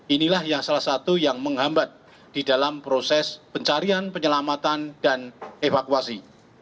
inilah yang salah satu yang menghambat di dalam proses pencarian penyelamatan dan evakuasi